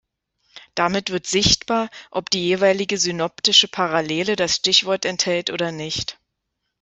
Damit wird sichtbar, ob die jeweilige synoptische Parallele das Stichwort enthält oder nicht.